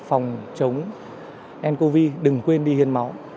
phòng chống ncov đừng quên đi hiến máu